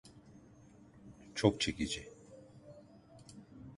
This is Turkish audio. Çok çekici.